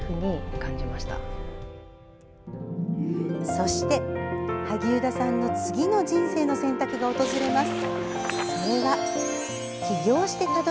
そして、萩生田さんの次の「人生の選択」が訪れます。